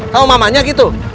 sama mamanya gitu